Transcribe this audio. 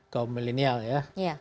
kaum milenial ya